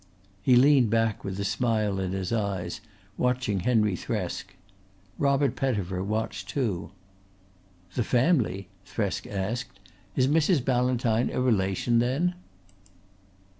He leaned back, with a smile in his eyes, watching Henry Thresk. Robert Pettifer watched too. "The family?" Thresk asked. "Is Mrs. Ballantyne a relation then?"